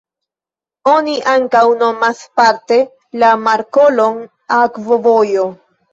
Oni ankaŭ nomas parte la markolon akvovojo.